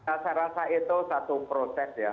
saya rasa itu satu proses ya